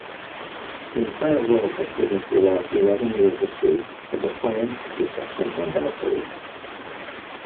The entire world has witnessed Iraq's eleven-year history of defiance, deception and bad faith.